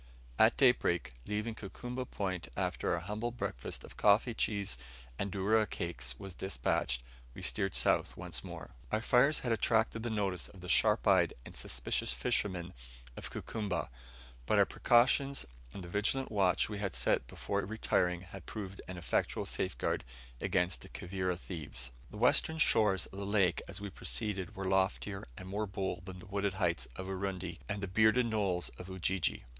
At daybreak, leaving Kukumba Point after our humble breakfast of coffee, cheese, and dourra cakes was despatched, we steered south once more. Our fires had attracted the notice of the sharp eyed and suspicious fishermen of Kukumba; but our precautions and the vigilant watch we had set before retiring, had proved an effectual safeguard against the Kivira thieves. The western shores of the lake as we proceeded were loftier, and more bold than the wooded heights of Urundi and bearded knolls of Ujiji.